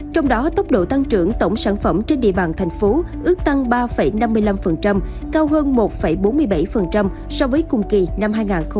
trong đó tốc độ tăng trưởng tổng sản phẩm trên địa bàn tp hcm ước tăng ba năm mươi năm cao hơn một bốn mươi bảy so với cùng kỳ năm hai nghìn hai mươi hai